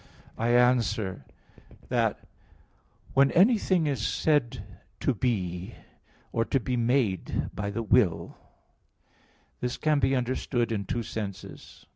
I answer that, When anything is said to be, or to be made by the will, this can be understood in two senses.